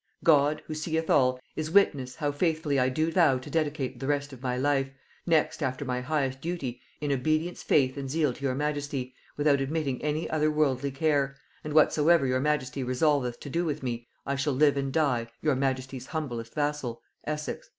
God, who seeth all, is witness, how faithfully I do vow to dedicate the rest of my life, next after my highest duty, in obedience faith and zeal to your majesty, without admitting any other worldly care; and whatsoever your majesty resolveth to do with me, I shall live and die "Your majesty's humblest vassal, "ESSEX."